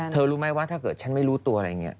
รู้ไหมว่าถ้าเกิดฉันไม่รู้ตัวอะไรอย่างนี้